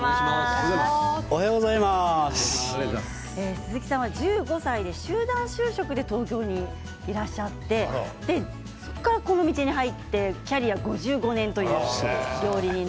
鈴木さんは１５歳で集団就職で東京にいらっしゃってそこからこの道に入ってキャリアが５５年。